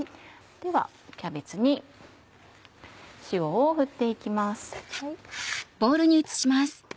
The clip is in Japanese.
ではキャベツに塩を振って行きます。